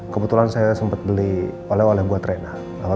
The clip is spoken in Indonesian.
kebetulan saya sempet beli oleh oleh buat reina